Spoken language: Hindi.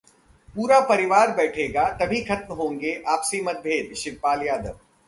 पूरा परिवार बैठेगा तभी खत्म होंगे आपसी मतभेद: शिवपाल यादव